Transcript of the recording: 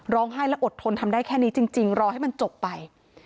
ให้และอดทนทำได้แค่นี้จริงรอให้มันจบไป